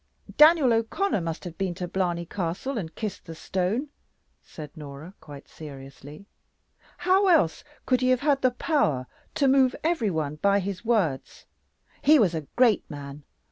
"Daniel O'Connell must have been to Blarney Castle and kissed the stone," said Norah, quite seriously. "How else could he have had the power to move every one by his words? He was a great man.